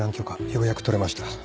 ようやく取れました。